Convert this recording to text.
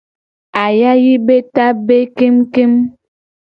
Ayayi be ta be kengu kengu.